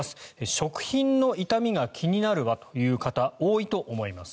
食品の傷みが気になるわという方多いと思います。